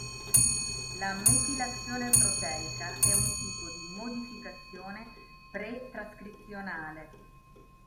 La metilazione proteica è un tipo di modificazione pre-trascrizionale.